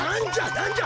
なんじゃ？